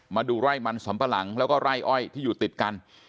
มาดูไร่มันสำปะหลังแล้วก็ไร่อ้อยที่อยู่ติดกัน